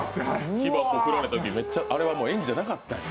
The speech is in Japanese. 木箱、振られたとき、あれ演技じゃなかったんや。